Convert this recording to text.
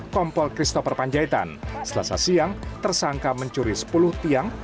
kompol kristoper panjaitan selasa siang tersangka mencuri sepuluh tiang